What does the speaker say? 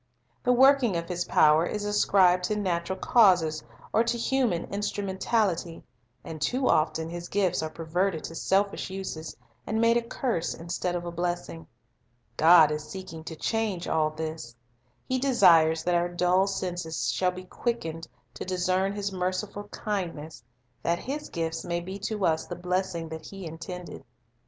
The working of His power is ascribed to natural causes or to human instrumentality, and too often His gifts are perverted to selfish uses, and made a curse instead of a blessing. God is seeking to change all this. He desires that our dull senses shall be quick ened to discern His merciful kindness, that His gifts may be to us the blessing that He intended.